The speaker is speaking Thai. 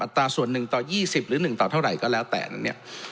ตราส่วน๑ต่อ๒๐หรือ๑ต่อเท่าไหร่ก็แล้วแต่เนี่ย